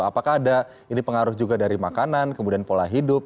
apakah ada ini pengaruh juga dari makanan kemudian pola hidup